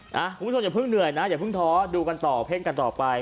คุณผู้ชมอย่าเพิ่งเหนื่อยนะอย่าเพิ่งท้อดูกันต่อเพ่งกันต่อไป